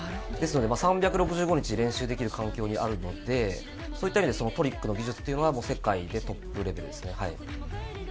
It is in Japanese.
ですので、３６５日練習できる環境にあるのでそういった意味でトリックの技術は世界でトップレベルですね。